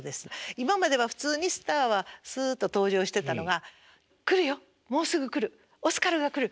今までは普通にスターはスッと登場してたのが「来るよもうすぐ来るオスカルが来る。